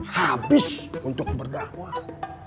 habis untuk berdakwah